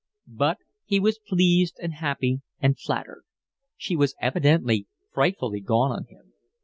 But he was pleased and happy and flattered. She was evidently frightfully gone on him.